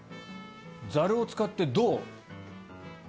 ざるを使ってどう？